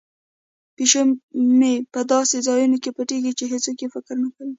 پیشو مې په داسې ځایونو کې پټیږي چې هیڅوک یې فکر نه کوي.